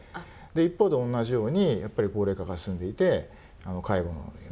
一方で同じようにやっぱり高齢化が進んでいて介護の。